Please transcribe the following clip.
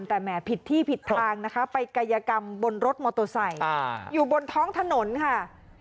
แต่แหมผิดที่ผิดทางนะคะไปกายกรรมบนรถมอเตอร์ไซค์อยู่บนท้องถนนค่ะ